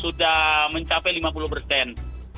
kalau sudah mencapai lima puluh persen artinya sudah akan berhasil